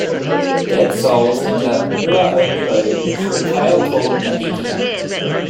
Dead souls enter Lua-o-Milu through a trail called Mahiki.